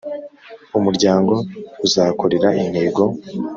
Umuryango uzakorera intego